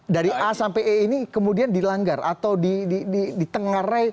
dari a sampai e ini kemudian dilanggar atau ditengarai